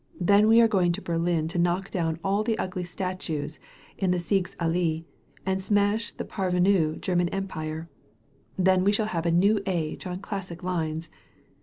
Then we are going to Berlin to knock down all the ugly statues in the Sieges AUee and smash the parvenu German Empire. Then we shall have a new age on classic lines.